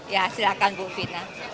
ya silahkan bu vina